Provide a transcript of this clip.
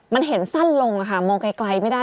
มันเห็นสั้นลงค่ะมองไกลไม่ได้